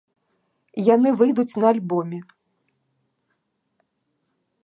Яны выйдуць на альбоме.